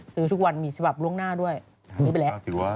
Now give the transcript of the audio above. ซื้อทุกวันมีศาบร๖๐๐ด้วยอย่าไปแล้ว